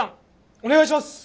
お願いします。